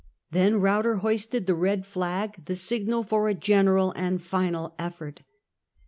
Then Ruyter hoisted the red flag, the signal for a general and final effort.